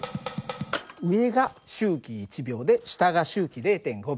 上が周期１秒で下が周期０．５秒だよ。